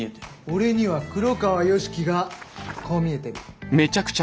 俺には黒川良樹がこう見えてる。